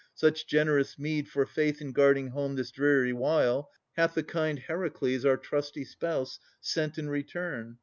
Such generous meed For faith in guarding home this dreary while Hath the kind Heracles our trusty spouse, Sent in return!